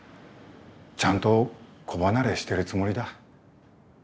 ちゃんと子離れしてるつもりだ。